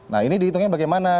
nah ini dihitungnya bagaimana